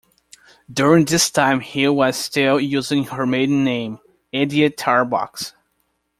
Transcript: During this time Hill was still using her maiden name, Edye Tarbox.